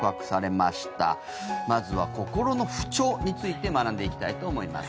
まずは心の不調について学んでいきたいと思います。